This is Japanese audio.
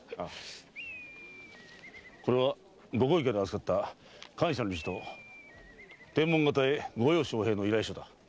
これはご公儀から預かった感謝の辞と天文方へ御用招へいの依頼書だ。